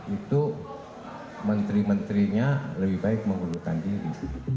itu menteri menterinya lebih baik mengundurkan diri